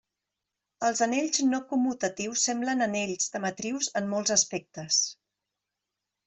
Els anells no commutatius semblen anells de matrius en molts aspectes.